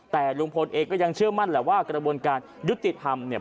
แต่ลุงพลเองก็ยังเชื่อมั่นแหละว่ากระบวนการยุติธรรมเนี่ย